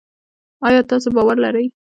آیا تاسو باور لرئ؟